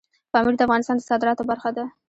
پامیر د افغانستان د صادراتو برخه ده.